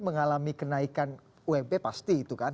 mengalami kenaikan ump pasti itu kan